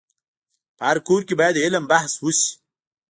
په هر کور کي باید علم بحث وسي.